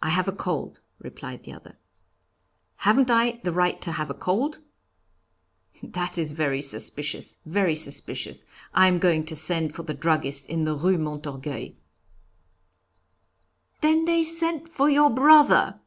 'I have a cold,' replied the other. 'Haven't I the right to have a cold?' 'That is very suspicious, very suspicious. I am going to send for the druggist in the Rue Montorgueil!'" "Then they sent for your brother?"